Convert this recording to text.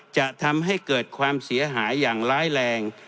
จะทำให้เกิดความเสียหายอย่างร้ายแรง